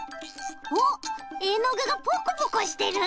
おっえのぐがぽこぽこしてる！